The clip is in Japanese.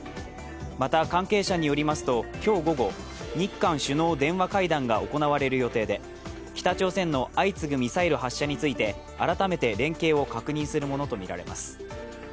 また、関係者によりますと、今日午後、日韓首脳電話会談が行われる予定で北朝鮮の相次ぐミサイル発射について改めて連携を確認するものとみられます。